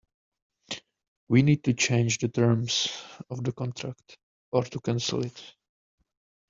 We need to change the terms of the contract, or to cancel it